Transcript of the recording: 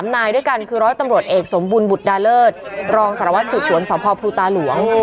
นายด้วยกันคือร้อยตำรวจเอกสมบุญบุตรดาเลิศรองสารวัตรสืบสวนสพภูตาหลวง